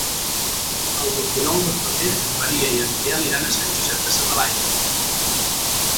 El vint-i-nou de febrer en Maria i en Biel iran a Sant Josep de sa Talaia.